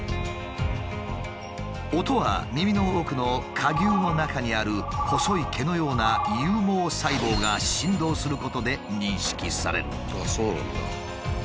音は耳の奥の蝸牛の中にある細い毛のような有毛細胞が振動することで認識される。